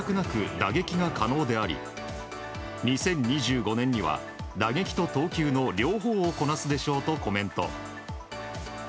打撃が可能であり２０２５年には打撃と投球の両方をこなすでしょうとコメント。